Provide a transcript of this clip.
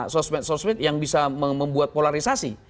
sosmed sosmed yang bisa membuat polarisasi